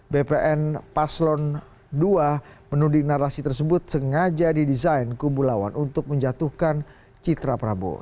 bpn paslon dua menuding narasi tersebut sengaja didesain kubu lawan untuk menjatuhkan citra prabowo